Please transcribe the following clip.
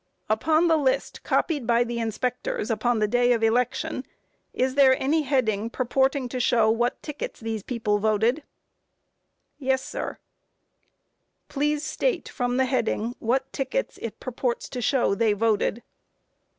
Q. Upon the list copied by the inspectors upon the day of election, is there any heading purporting to show what tickets these people voted? A. Yes, sir. Q. Please state from the heading what tickets it purports to show they voted?